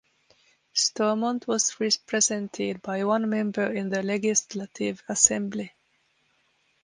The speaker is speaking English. Stormont was represented by one member in the Legislative Assembly.